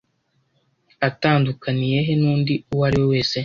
atandukaniye he nundi uwariwe wese